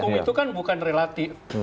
hukum itu kan bukan relatif